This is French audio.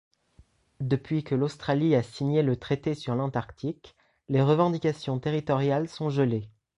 Depuis que l'Australie a signé le traité sur l'Antarctique, les revendications territoriales sont gelées.